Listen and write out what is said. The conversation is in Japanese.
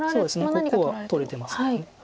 ここは取れてますので。